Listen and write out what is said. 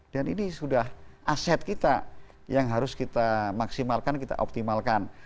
dan ini sudah aset kita yang harus kita maksimalkan kita optimalkan